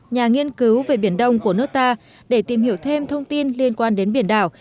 nhà nghiên cứu về biển đông của nước ta để tìm hiểu thêm thông tin liên quan đến biển đảo